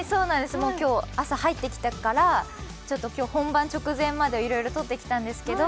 今日、朝入ってきてから本番直前までいろいろ撮ってきたんですけど。